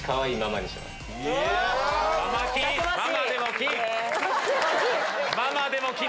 ママでも金！